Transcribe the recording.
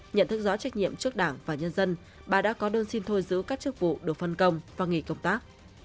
nhận thức rõ trách nhiệm trước đảng và nhân dân bà đã có đơn xin thôi giữ các chức vụ được phân công và nghỉ công tác